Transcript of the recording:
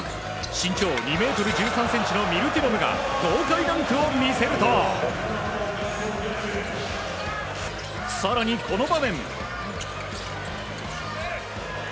身長２ｍ１３ｃｍのミルティノブが豪快ダンクを見せると更に、この場面。